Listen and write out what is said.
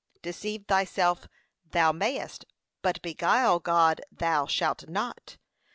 Deceive thyself thou mayest, but beguile God thou shalt not.